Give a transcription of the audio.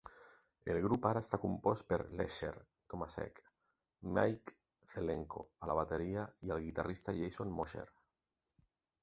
El grup ara està compost per Lescher, Tomasek, Mike Zelenko a la bateria i el guitarrista Jason Mosher.